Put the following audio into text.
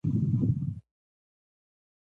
هرات او بادغیس د لاندې کولو خوبونه لیدل.